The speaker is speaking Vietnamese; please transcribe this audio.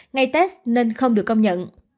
ngay test nên không được công nhận